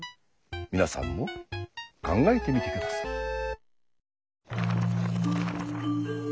皆さんも考えてみて下さい。